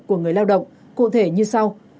của người lao động cụ thể như sau